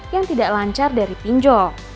yang tidak lancar dari pinjol